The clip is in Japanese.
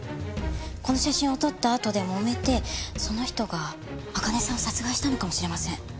この写真を撮ったあとでもめてその人が朱音さんを殺害したのかもしれません。